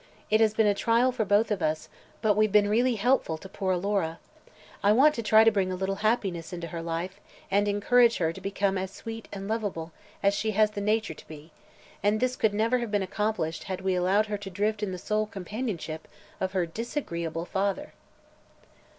It has been a trial for both of us, but we've been really helpful to poor Alora. I want to try to bring a little happiness into her life and encourage her to become as sweet and lovable a girl as she has the nature to be, and this could never have been accomplished had we allowed her to drift in the sole companionship of her disagreeable father."